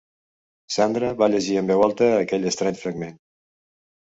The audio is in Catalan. Sandra va llegir en veu alta aquell estrany fragment.